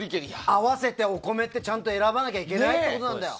合わせてお米ってちゃんと選ばないといけないってことなんだよ。